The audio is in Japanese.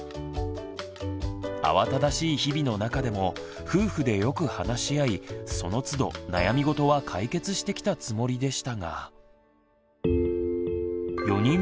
慌ただしい日々の中でも夫婦でよく話し合いそのつど悩みごとは解決してきたつもりでしたが。